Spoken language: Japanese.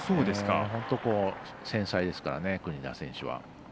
本当に繊細ですからね国枝選手は。